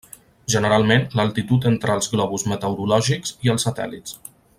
Generalment l'altitud entre els globus meteorològics i els satèl·lits.